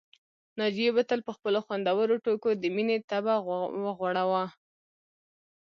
ناجيې به تل په خپلو خوندورو ټوکو د مينې طبع وغوړاوه